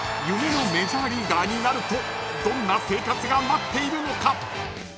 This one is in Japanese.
夢のメジャーリーガーになるとどんな生活が待っているのか。